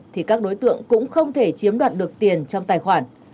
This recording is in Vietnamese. thì các đối tượng cũng không thể chiếm đoạt được tiền trong tài khoản